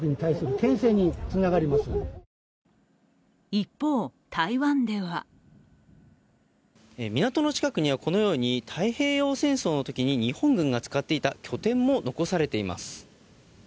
一方、台湾では港の近くにはこのように太平洋戦争のときに日本軍が使っていた拠点も残されています。